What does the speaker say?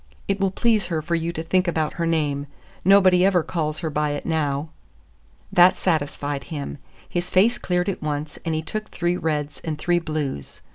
It will please her for you to think about her name. Nobody ever calls her by it now." That satisfied him. His face cleared at once, and he took three reds and three blues.